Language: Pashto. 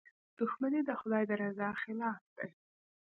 • دښمني د خدای د رضا خلاف ده.